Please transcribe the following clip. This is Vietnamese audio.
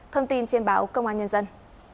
thông tin trên báo công an nhân dân